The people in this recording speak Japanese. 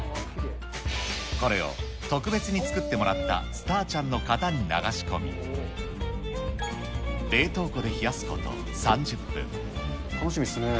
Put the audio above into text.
これを特別に作ってもらったスターちゃんの型に流し込み、楽しみですね。